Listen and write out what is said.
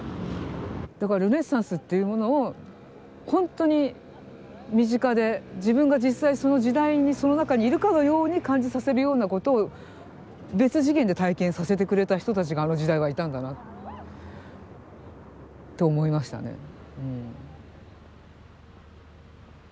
だからルネサンスというものをほんとに身近で自分が実際その時代にその中にいるかのように感じさせるような事を別次元で体験させてくれた人たちがあの時代はいたんだなと思いましたね。